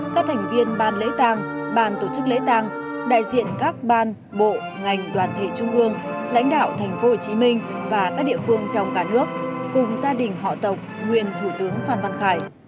các thành viên ban lễ tàng ban tổ chức lễ tàng đại diện các ban bộ ngành đoàn thể trung ương lãnh đạo thành phố hồ chí minh và các địa phương trong cả nước cùng gia đình họ tộc nguyên thủ tướng phan văn khải